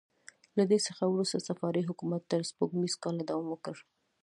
له دې څخه وروسته صفاري حکومت تر سپوږمیز کاله دوام وکړ.